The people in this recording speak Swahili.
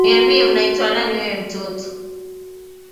Niambie unaitwa nani wewe mtoto